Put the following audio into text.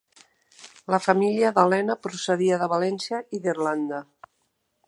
La família d'Elena procedia de València i d'Irlanda.